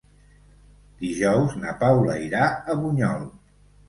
Dijous na Paula irà a Bunyol.